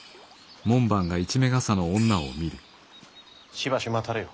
しばし待たれよ。